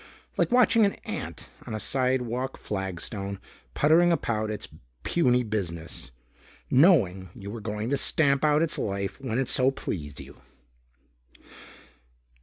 Like watching an ant on a sidewalk flagstone puttering about its puny business, knowing you were going to stamp out its life when it so pleased you.